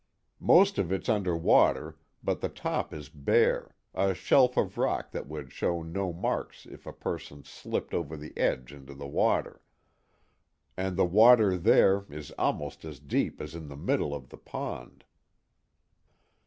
Most of it's under water, but the top is bare, a shelf of rock that would show no marks if a person slipped over the edge into the water. And the water there is almost as deep as in the middle of the pond."